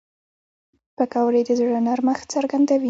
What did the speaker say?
پکورې د زړه نرمښت څرګندوي